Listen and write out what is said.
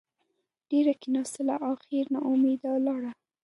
ډېره کېناستله اخېر نااوميده لاړه.